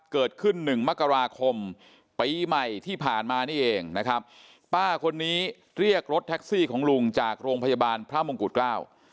หนึ่งมกราคมปีใหม่ที่ผ่านมานี่เองนะครับป้าคนนี้เรียกรถแท็กซี่ของลุงจากโรงพยาบาลพระมงกุฎเกล้า